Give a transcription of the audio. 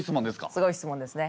すごい質問ですね。